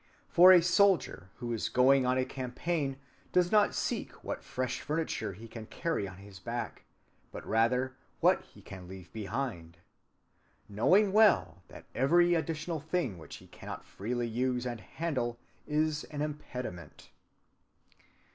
"For a soldier who is going on a campaign does not seek what fresh furniture he can carry on his back, but rather what he can leave behind; "Knowing well that every additional thing which he cannot freely use and handle is an impediment."